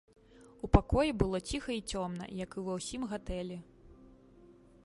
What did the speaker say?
У пакоі было ціха і цёмна, як і ва ўсім гатэлі.